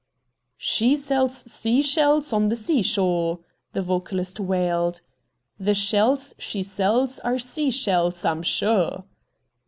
"She sells sea shells on the sea shore," the vocalist wailed. "The shells she sells are sea shells, I'm sure."